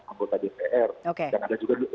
anggota dpr yang ada juga